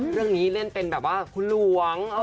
เรื่องนี้เล่นเป็นแบบว่าคุณหลวง